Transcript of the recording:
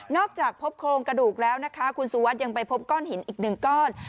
จากพบโครงกระดูกแล้วนะคะคุณสุวัสดิ์ยังไปพบก้อนหินอีกหนึ่งก้อน